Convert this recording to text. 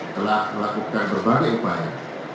telah melakukan berbagai upaya